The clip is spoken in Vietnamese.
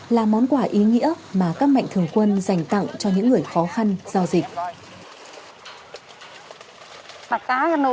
là món quà ý nghĩa mà các mạnh thường quân dành tặng cho những người khó khăn do dịch